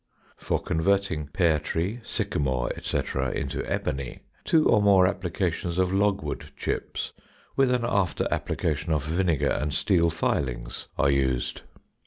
For converting pear tree, sycamore, etc., into ebony, two or more applications of logwood chips, with an after application of vinegar and steel filings, are used.